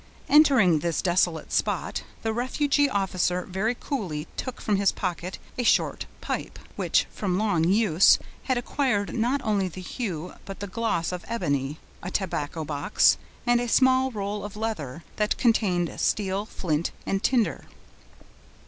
Entering this desolate spot, the refugee officer very coolly took from his pocket a short pipe, which, from long use, had acquired not only the hue but the gloss of ebony, a tobacco box, and a small roll of leather, that contained steel, flint, and tinder.